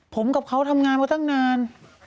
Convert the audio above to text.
ผมกับเขาทำงานมาตั้งนาน